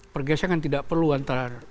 pergesangan tidak perlu antara